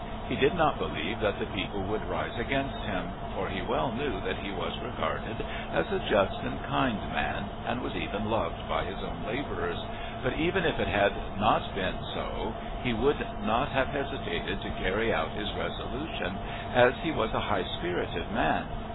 He did not believe that the people would rise against him, for he well knew that he was regarded as a just and kind man and was even loved by his own labourers, but even if it had not been so he would not have hesitated to carry out his resolution, as he was a high spirited man.